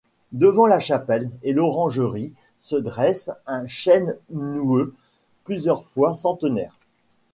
Devant la chapelle et l'orangerie, se dresse un chêne noueux, plusieurs fois centenaire.